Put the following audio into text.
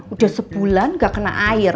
udah sebulan gak kena air